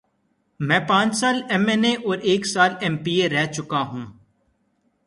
میں پانچ سال ایم این اے اور ایک سال ایم پی اے رہ چکا ہوں۔